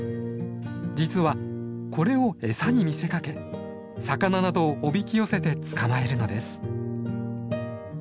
実はこれを餌に見せかけ魚などをおびき寄せて捕まえるのです。